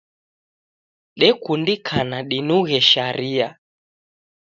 Dekundikana dinughe sharia